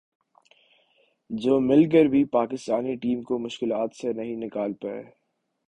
جو مل کر بھی پاکستانی ٹیم کو مشکلات سے نہیں نکال پاتے